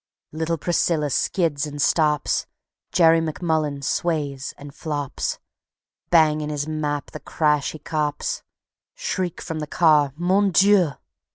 Little Priscilla skids and stops, Jerry MacMullen sways and flops; Bang in his map the crash he cops; Shriek from the car: "Mon Dieu!"